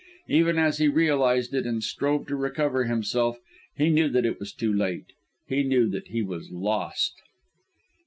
Even as he realised it, and strove to recover himself, he knew that it was too late; he knew that he was lost!